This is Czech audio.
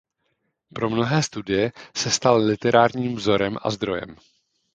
Pro mnohé studie se stal literárním vzorem a zdrojem.